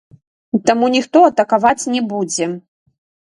Таму ніхто атакаваць не будзе.